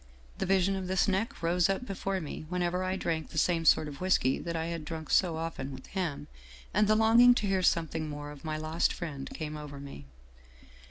The vision of this neck rose up before me whenever I drank the same sort of whisky that I had drunk so often with him, and the longing to hear something more of my lost friend came over me.